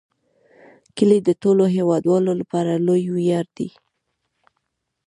کلي د ټولو هیوادوالو لپاره لوی ویاړ دی.